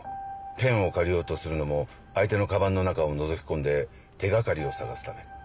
ペンを借りようとするのも相手のカバンの中をのぞき込んで手掛かりを探すため。